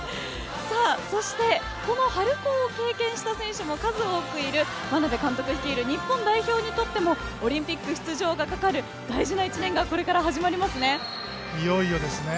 そして、この春高を経験した選手も数多くいる眞鍋監督率いる日本代表にとってもオリンピック出場がかかる大事な１年がいよいよですね。